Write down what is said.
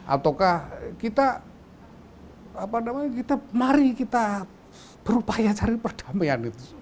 ataukah kita apa namanya kita mari kita berupaya cari perdamaian itu